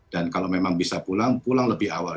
dan kalau memang bisa pulang pulang lebih awal